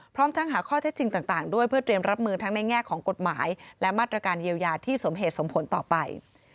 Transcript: พร้อมทั้งหาข้อเท็จจริงต่างด้วยเพื่อเตรียมรับมือทั้งในแง่ของกฎหมายและมาตรการเยียวยาที่สมเหตุสมผลต่อไป